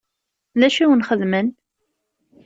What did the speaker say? D acu i wen-xedmen?